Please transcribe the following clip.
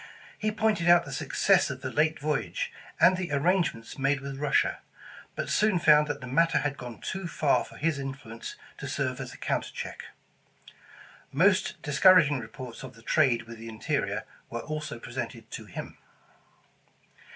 He pointed out the success of the late voyage, and the arrangements made with Russia, but soon found that the matter had gone too far for his influence to serve as a counter check. Most discouraging reports of the trade with the in terior were also presented to him.